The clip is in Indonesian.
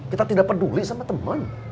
kita tidak peduli sama teman